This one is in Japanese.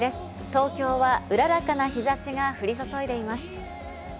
東京はうららかな日差しが降り注いでいます。